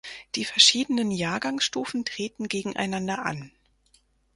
Die verschiedenen Jahrgangsstufen treten gegeneinander an.